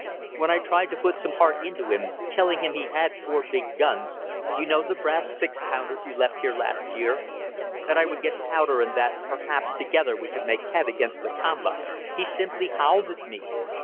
When I tried to put some heart into him, telling him he had four big guns you know the brass six pounders you left here last year and that I would get powder, and that, perhaps, together we could make head against Lakamba, he simply howled at me.